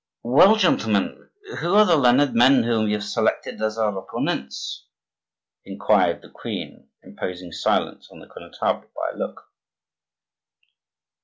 "Well, gentlemen, who are the learned men whom you have selected as our opponents?" inquired the queen, imposing silence on the Connetable by a look.